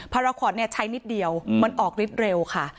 พาราควอตเนี่ยใช้นิดเดียวมันออกนิดเร็วค่ะ